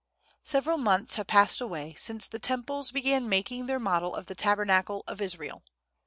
SEVERAL months have passed away since the Temples began making their model of the Tabernacle of Israel.